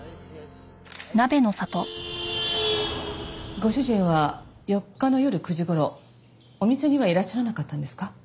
ご主人は４日の夜９時頃お店にはいらっしゃらなかったんですか？